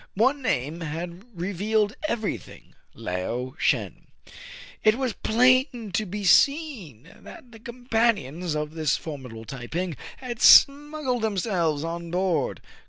One name had revealed every thing, — Lao Shen ! It was plain to be seen that the companions of this formidable Tai ping had smuggled themselves on board.